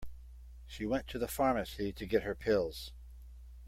She went to the pharmacy to get her pills.